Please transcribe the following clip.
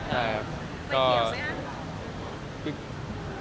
ไม่เขียวใช่ไหม